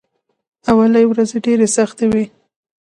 اولې ورځې ډېرې سختې وې.